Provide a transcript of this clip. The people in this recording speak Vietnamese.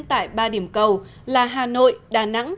tại ba điểm cầu là hà nội đà nẵng